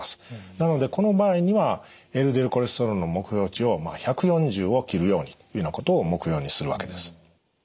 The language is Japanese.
なのでこの場合にはＬＤＬコレステロールの目標値を１４０を切るようにというようなことを目標にするわけです。